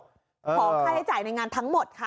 ของค่าใช้จ่ายในงานทั้งหมดค่ะ